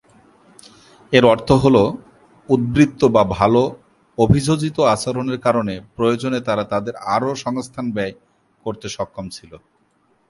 এর অর্থ হলো উদ্বৃত্ত বা ভাল অভিযোজিত আচরণের কারণে প্রয়োজনে তারা তাদের আরও সংস্থান ব্যয় করতে সক্ষম ছিল।